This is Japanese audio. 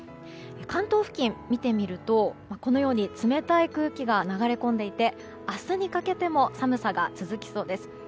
関東付近を見てみるとこのように冷たい空気が流れ込んでいて明日にかけても寒さが続きそうです。